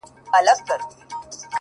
• اوس یې پر پېچومو د کاروان حماسه ولیکه,